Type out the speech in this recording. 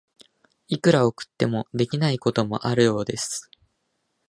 いくら送っても、できないこともあるようです。